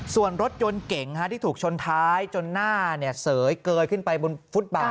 ส่วนรถยนต์เก่งที่ถูกชนท้ายจนหน้าเสยเกยขึ้นไปบนฟุตบาท